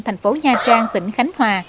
thành phố nha trang tỉnh khánh hòa